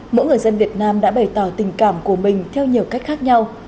mỗi người dân việt nam đã bày tỏ tình cảm của mình theo nhiều cách khác nhau